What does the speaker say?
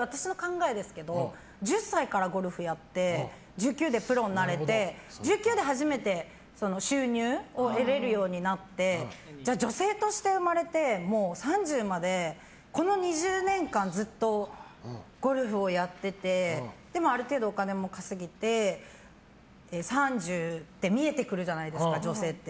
私の考えですけど１０歳からゴルフやって１９でプロになれて１９で初めて収入を得られるようになって女性として生まれてもう３０までこの２０年間ずっとゴルフをやっててでも、ある程度お金も稼げて３０って見えてくるじゃないですか女性って。